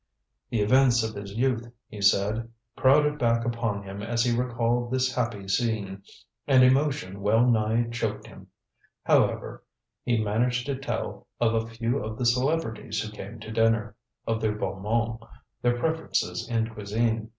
The events of his youth, he said, crowded back upon him as he recalled this happy scene, and emotion well nigh choked him. However, he managed to tell of a few of the celebrities who came to dinner, of their bon mots, their preferences in cuisine.